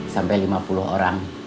sampai lima puluh orang